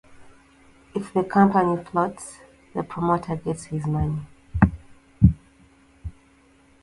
If the company floats, the promoter gets his money